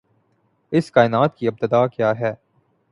اس کائنات کی ابتدا کیا ہے؟